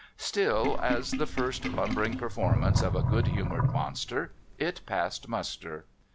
Still, as the first lumbering performance of a good humoured monster, it passed muster.